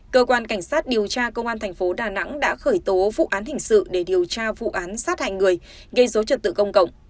cơ quan cảnh sát điều tra công an thành phố đà nẵng đã khởi tố vụ án hình sự để điều tra vụ án sát hại người gây dối trật tự công cộng